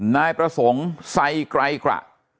นายประสงค์ไซไกรกระ